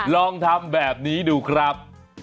ลองทำแบบนี้ดูครับ